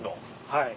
はい。